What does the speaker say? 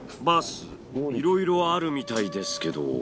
バスいろいろあるみたいですけど。